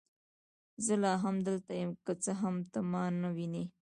زه لا هم دلته یم، که څه هم ته ما نه وینې.